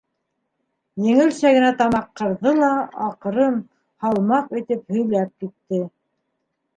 Еңелсә генә тамаҡ ҡырҙы ла аҡрын, һалмаҡ итеп һөйләп китте.